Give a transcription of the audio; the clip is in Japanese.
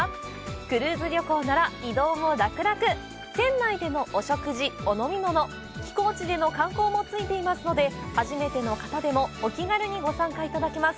クルーズ旅行なら移動もラクラク、船内でのお食事、お飲み物、寄港地での観光もついていますので、初めての方でもお気軽にご参加いただけます。